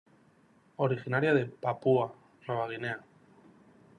Originaria de Papúa Nueva Guinea.